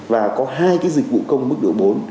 và có hai cái dịch vụ công mức độ bốn